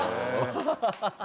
ハハハハ。